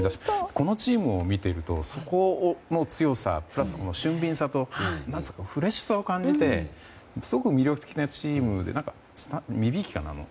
このチームを見ているとそこの強さプラス俊敏さとフレッシュさを感じてすごく魅力的なチームで身内びいきかな。